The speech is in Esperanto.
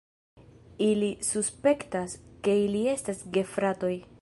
Ili suspektas, ke ili estas gefratoj.